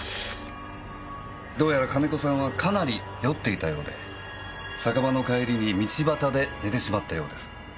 どうやら金子さんはかなり酔っていたようで酒場の帰りに道端で寝てしまったようです。